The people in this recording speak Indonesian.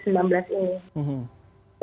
jadinya kami saat ini sedang sangat berusaha